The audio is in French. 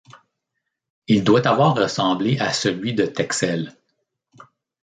Il doit avoir ressemblé à celui de Texel.